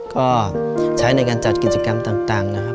ก็ใช้ในการจัดกิจกรรมต่างนะครับ